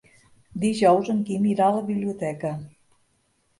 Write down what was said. Dijous en Quim irà a la biblioteca.